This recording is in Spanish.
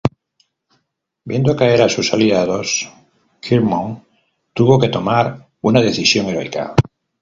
Viendo caer a sus aliados, Clermont tuvo que tomar una decisión heroica.